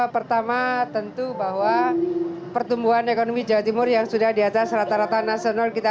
pertama tentu bahwa pertumbuhan ekonomi jawa timur yang sudah di atas rata rata nasional kita